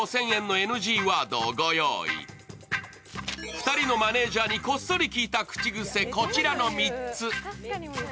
２人のマネージャーにこっそり聞いた口癖、こちらの３つ。